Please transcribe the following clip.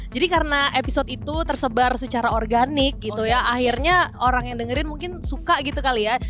jadi karena episode itu tersebar secara organik gitu ya akhirnya orang yang dengerin mungkin suka gitu kali ya